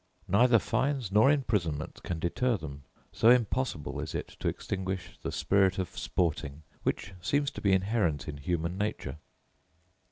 Neither fines nor imprisonment can deter them: so impossible is it to extinguish the spirit of sporting, which seems to be inherent in human nature.